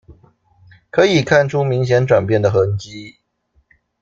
可以看出明顯轉變的痕跡